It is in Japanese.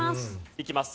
いきます。